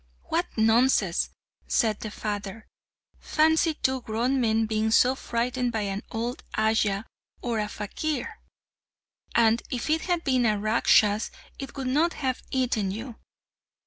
"What nonsense," said his father. "Fancy two grown men being so frightened by an old ayah or a fakir! And if it had been a Rakshas, it would not have eaten you."